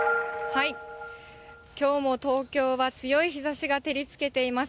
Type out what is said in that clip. きょうも東京は強い日ざしが照りつけています。